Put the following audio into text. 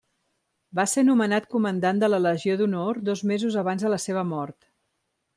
Va ser nomenat Comandant de la Legió d'Honor dos mesos abans de la seva mort.